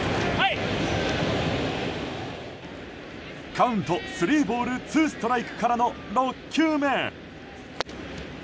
カウント、スリーボールツーストライクからの６球目。